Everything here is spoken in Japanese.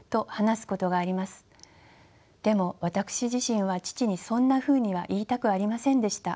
でも私自身は父にそんなふうには言いたくありませんでした。